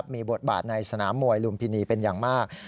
มีบทบาทในสนามมวยลุมพินีเป็นอย่างมาก